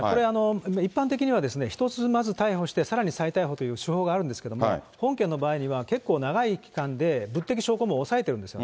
これ一般的には１人ずつまず逮捕して、さらに再逮捕という手法があるんですけれども、本件の場合には結構長い期間で、物的証拠も押さえているんですよ。